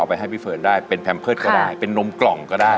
ไปให้พี่เฟิร์นได้เป็นแพมเพิร์ตก็ได้เป็นนมกล่องก็ได้